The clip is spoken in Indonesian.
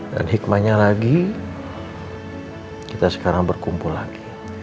dan hikmahnya lagi kita sekarang berkumpul lagi